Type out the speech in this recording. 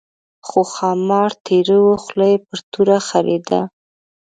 خو ښامار تېراوه خوله یې پر توره خرېده.